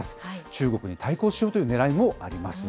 中国に対抗しようというねらいもあります。